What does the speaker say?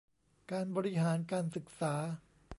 การบริหารการศึกษา